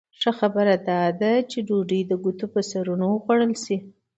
ښه خبره دا ده چې ډوډۍ د ګوتو په سرونو وخوړل شي.